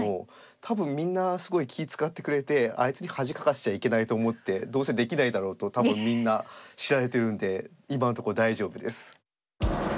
多分みんなすごい気い使ってくれてあいつに恥かかせちゃいけないと思ってどうせできないだろうと多分みんな知られてるんで今のところ大丈夫です。